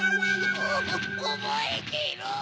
おぼえてろ！